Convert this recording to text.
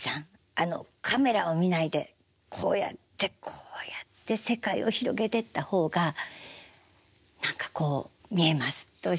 あのカメラを見ないでこうやってこうやって世界を広げてった方が何かこう見えます」とおっしゃって。